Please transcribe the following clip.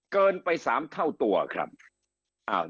เกินไป๓เท่าตัวครับ